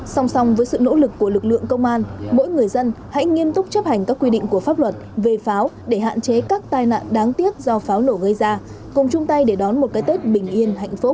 song song với sự nỗ lực của lực lượng công an mỗi người dân hãy nghiêm túc chấp hành các quy định của pháp luật về pháo để hạn chế các tai nạn đáng tiếc do pháo nổ gây ra cùng chung tay để đón một cái tết bình yên hạnh phúc